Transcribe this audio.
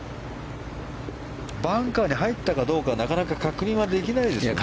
バンカーに入ったかどうかなかなか確認はできないですよね。